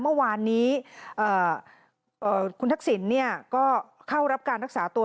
เมื่อวานนี้คุณทักษิณก็เข้ารับการรักษาตัว